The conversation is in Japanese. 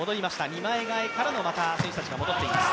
二枚替えからの選手たちがまた戻っています。